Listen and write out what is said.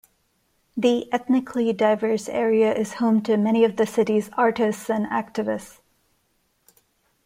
The ethnically diverse area is home to many of the city's artists and activists.